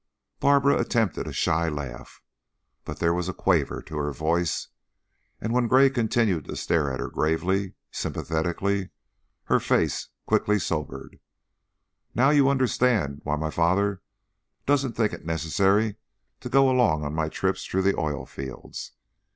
Barbara attempted a shy laugh, but there was a quaver to her voice, and when Gray continued to stare at her gravely, sympathetically, her face quickly sobered. "Now you understand why my father doesn't think it necessary to go along on my trips through the oil fields.